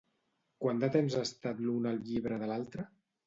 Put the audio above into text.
Quant de temps ha estat l'un al llibre de l'altre?